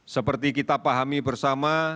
seperti kita pahami bersama